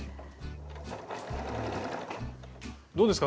どうですか？